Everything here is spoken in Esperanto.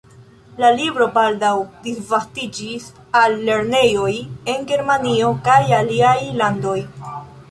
La libro baldaŭ disvastiĝis al lernejoj en Germanio kaj aliaj landoj.